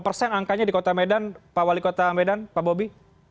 persen angkanya di kota medan pak wali kota medan pak bobi